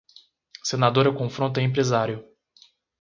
Senadora confronta empresário